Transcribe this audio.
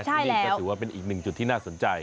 ที่นี่ก็ถือว่าเป็นอีกหนึ่งจุดที่น่าสนใจ